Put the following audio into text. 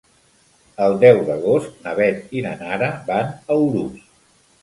El deu d'agost na Beth i na Nara van a Urús.